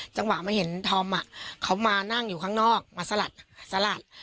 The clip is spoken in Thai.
จังหวะมาเห็นธอมเขามานั่งอยู่ข้างนอกมาสลัดสลัด